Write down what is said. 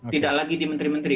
tidak lagi di menteri menteri